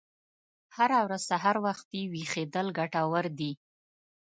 هره ورځ سهار وختي ویښیدل ګټور دي.